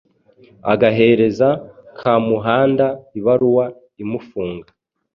agahereza Kamuhanda ibaruwa imufunga